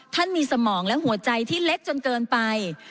ท่านมีสมองและหัวใจที่เล็กจนเกินไป